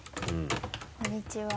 こんにちは。